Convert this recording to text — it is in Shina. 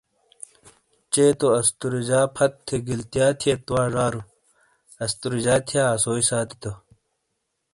چے تو استوریجا پھت تھے گیلتیا تھیت وا ژارو استوریجا تھیا اسوئی ساتی تو